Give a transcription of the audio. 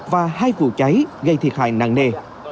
và hai vụ cháy gây thiệt hại nặng nề